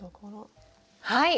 はい！